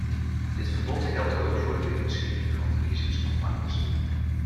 Dit verbod geldt ook voor de financiering van verkiezingscampagnes.